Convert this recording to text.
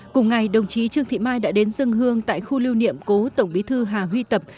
cùng ngày đồng chí trương thị mai đã đến dân hương tại khu lưu niệm cố tổng bí thư hà huy tập